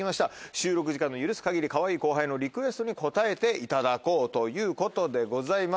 収録時間の許す限りかわいい後輩のリクエストに応えていただこうということでございます。